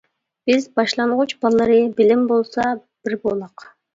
بىز باشلانغۇچ باللىرى، بىلىم بولسا بىر بولاق.